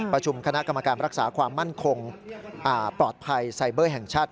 ประชุมคณะกรรมการรักษาความมั่นคงปลอดภัยไซเบอร์แห่งชาติ